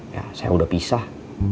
ya saya udah pisah